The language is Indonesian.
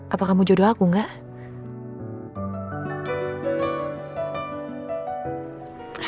apa kamu jodoh aku enggak